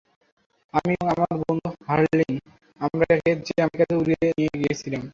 আমি এবং আমার বন্ধু হার্লিং, আমরা এটাকে জ্যামাইকাতে উড়িয়ে নিয়ে গেছিলাম।